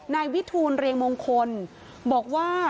นายวิทูลเรียงมงคลบอกว่า